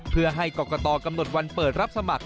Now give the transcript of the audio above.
เพื่อให้กรกตกำหนดวันเปิดรับสมัคร